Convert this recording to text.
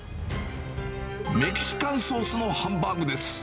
メキシカンソースのハンバーグです。